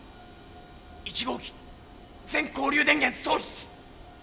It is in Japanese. １号機全交流電源喪失。